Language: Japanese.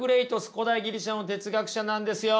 古代ギリシャの哲学者なんですよ。